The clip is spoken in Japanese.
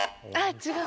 違う。